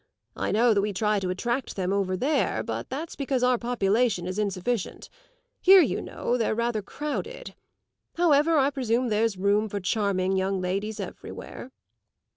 I know that we try to attract them over there, but that's because our population is insufficient. Here, you know, they're rather crowded. However, I presume there's room for charming young ladies everywhere."